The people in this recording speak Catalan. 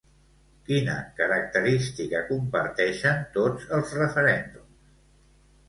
Quina característica comparteixen tots els referèndums?